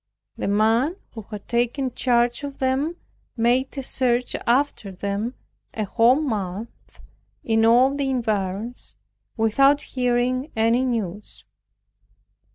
The man who had taken charge of them made a search after them a whole month, in all the environs, without hearing any news.